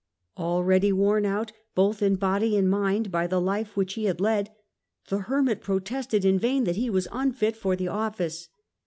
Already worn out, both in body and mind, by the life which he had led, the Hermit protested in vain that he was unfit for the office.